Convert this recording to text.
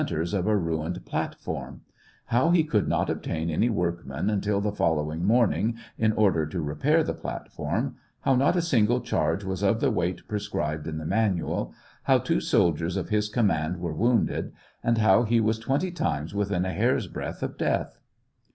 ters of a ruined platform ; how he could not obtain any workmen until the following morning in or der to repair the platform ; how not a single charge was of the weight prescribed in the "Manual;" how two soldiers of his command were wounded, and how he was twenty times within a hair's breadth of death.